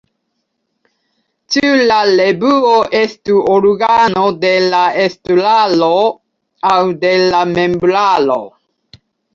Ĉu la revuo estu organo de la estraro aŭ de la membraro?